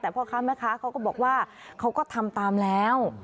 แต่เพราะคะเขาก็บอกว่าเขาก็ทำตามแล้ว